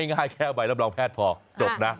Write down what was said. ง่ายแค่ใบรับรองแพทย์พอจบนะ